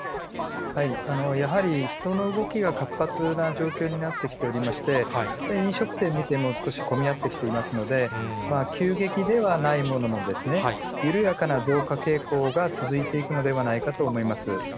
やはり、人の動きが活発な状況になってきておりまして、飲食店見ても、少し混み合ってきていますので、急激ではないものの、緩やかな増加傾向が続いていくのではないかと思います。